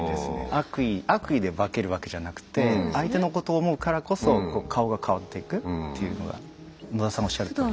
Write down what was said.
悪意悪意で化けるわけじゃなくて相手のことを思うからこそ顔が変わっていくっていうのが野田さんがおっしゃるとおり。